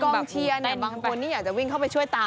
คือกล้องเชียร์เนี่ยบางคนนี่อยากจะวิ่งเข้าไปช่วยตำ